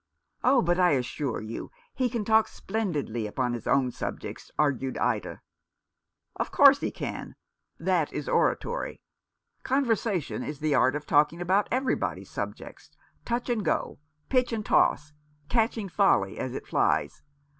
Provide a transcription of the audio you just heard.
"Oh, but I assure you he can talk splendidly — upon his own subjects," argued Ida. " Of course he can ! That is oratory. Con versation is the art of talking about everybody's subjects — touch and go — pitch and toss — catching folly as it flies.